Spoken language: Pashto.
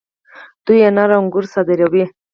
دوی انار او انګور صادروي.